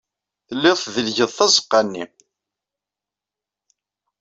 Tellid tdellged tazeɣɣa-nni.